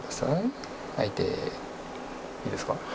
いいですか？